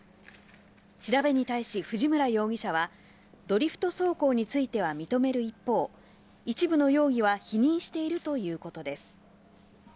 調べに対し、藤村容疑者は、ドリフト走行については認める一方、一部の容疑は否認しているということです。